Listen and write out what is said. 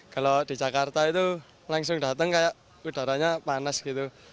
kalau di jakarta itu langsung datang kayak udaranya panas gitu